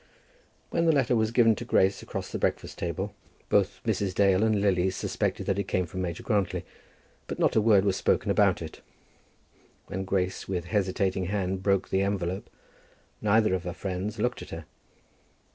When the letter was given to Grace across the breakfast table, both Mrs. Dale and Lily suspected that it came from Major Grantly, but not a word was spoken about it. When Grace with hesitating hand broke the envelope, neither of her friends looked at her.